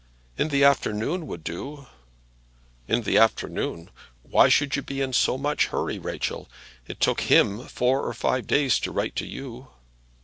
"In the afternoon would do." "In the afternoon! Why should you be in so much hurry, Rachel? It took him four or five days to write to you."